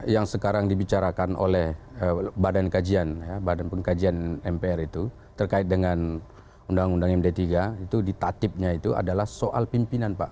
yang sekarang dibicarakan oleh badan kajian ya badan pengkajian mpr itu terkait dengan undang undang md tiga itu ditatipnya itu adalah soal pimpinan pak